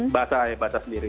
bahasa saya sendiri